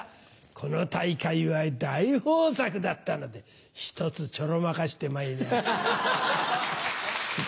この大会は大豊作だったので１つちょろまかしてまいりやした。